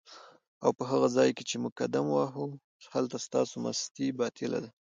اوپه هغه ځای کی چی موږ قدم وهو هلته ستاسو مستی باطیله ده